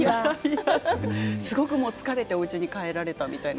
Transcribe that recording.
すごく疲れておうちに帰られたみたいなお話も。